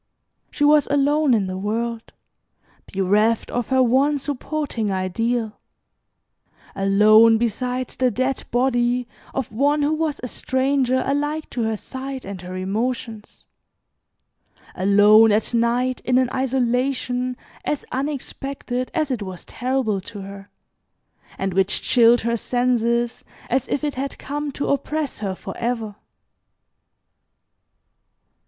She was alone in the world, bereft of her one supporting ideal, alone beside the dead body of one who was a stranger alike to her sight and her emotions; alone at night in an isolation as unexpected as it was terrible to her, and which chilled her senses as if it had come to oppress her forever.